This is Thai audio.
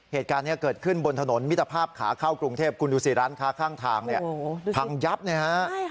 เหตุการณ์นี้เกิดขึ้นบนถนนมิตรภาพขาเข้ากรุงเทพคุณดูสิร้านค้าข้างทางเนี่ยพังยับนะฮะ